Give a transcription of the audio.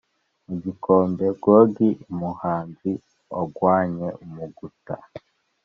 Mu gikombe ngo gi !-Umuhazi ugwanye umuguta.